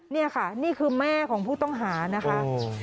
นี่ค่ะนี่คือแม่ของผู้ต้องหานะคะ